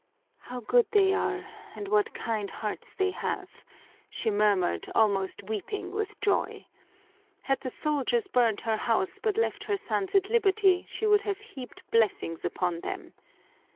"How good they are and what kind hearts they have!" she murmured, almost weeping with joy. Had the soldiers burned her house but left her sons at liberty she would have heaped blessings upon them!